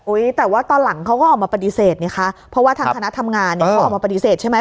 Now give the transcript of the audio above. แต่ว่าตอนหลังเขาก็ออกมาปฏิเสธไงคะเพราะว่าทางคณะทำงานเนี่ยเขาออกมาปฏิเสธใช่ไหม